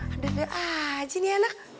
ada ada aja nih anak